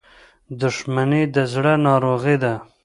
• دښمني د زړه ناروغي ده.